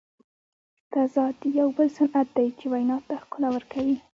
تضاد یو بل صنعت دئ، چي وینا ته ښکلا ورکوي.